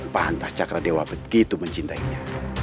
pantas cakra dewa begitu mencintainya